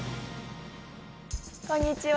こんにちは。